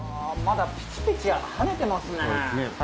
あまだピチピチはねてますね